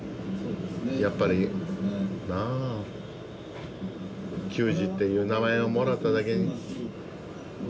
やっぱりなあ球児っていう名前をもらっただけに。